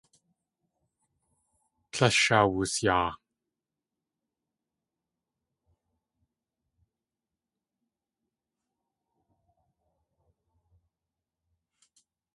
Tlél shawusyaa.